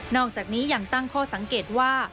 อกจากนี้ยังตั้งข้อสังเกตว่า